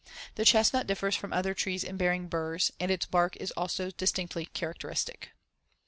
The chestnut differs from other trees in bearing burs and its bark is also distinctly characteristic.